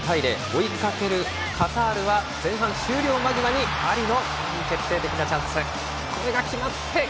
追いかけるカタールは前半終了間際にアリの決定的なチャンス。